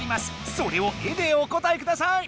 それを絵でお答えください。